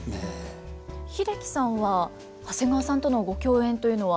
英樹さんは長谷川さんとのご共演というのは？